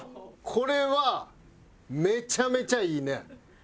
これはめちゃめちゃいいね。